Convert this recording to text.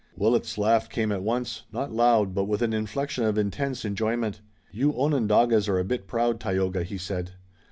Willet's laugh came at once, not loud, but with an inflection of intense enjoyment. "You Onondagas are a bit proud, Tayoga," he said.